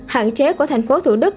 hạn chế của thành phố thủ đức